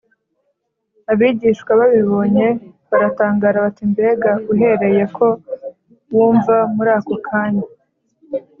Abigishwa babibonye baratangara bati “Mbega uhereye ko wuma muri ako kanya?”